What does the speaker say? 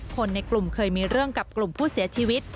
คนในกลุ่มเคยมีเรื่องกับกลุ่มผู้เสียชีวิต